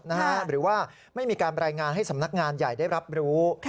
หรือว่าไม่มีการรายงานให้สำนักงานใหญ่ได้รับรู้